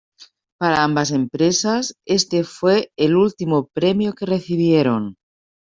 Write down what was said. Para ambas empresas, este fue el último premio que recibieron.